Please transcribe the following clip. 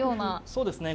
そうですね。